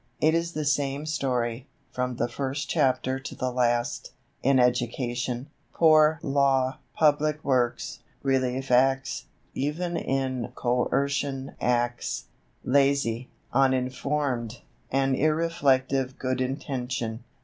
It is the same story, from the first chapter to the last, in education, poor law, public works, relief Acts, even in coercion Acts lazy, uninformed, and irreflective good intention.